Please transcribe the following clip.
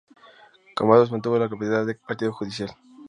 Cambados mantuvo la capitalidad de partido judicial.